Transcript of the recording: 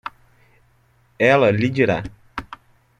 Ela lhe dirá